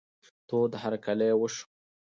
تود هرکلی وسو.